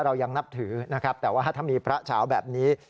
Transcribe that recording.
เรายังนับถือนะครับแต่ว่าถ้ามีพระเฉาแบบนี้